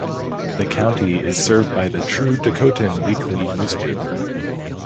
The county is served by the "True Dakotan" weekly newspaper.